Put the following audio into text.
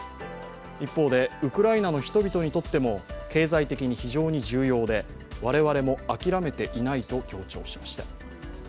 一方で、ウクライナの人々にとっても経済的に非常に重要で我々も諦めていないと強調しました。